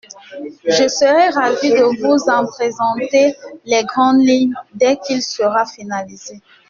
Je serai ravie de vous en présenter les grandes lignes dès qu’il sera finalisé.